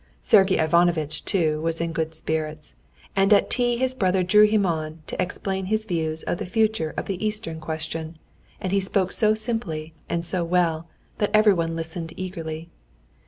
Sergey Ivanovitch, too, was in good spirits, and at tea his brother drew him on to explain his views of the future of the Eastern question, and he spoke so simply and so well, that everyone listened eagerly.